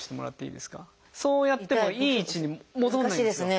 そうやってもいい位置に戻んないんですよ。